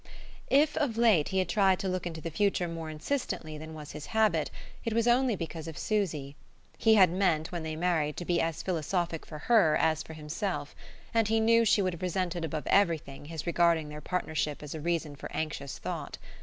If of late he had tried to look into the future more insistently than was his habit, it was only because of Susy. He had meant, when they married, to be as philosophic for her as for himself; and he knew she would have resented above everything his regarding their partnership as a reason for anxious thought.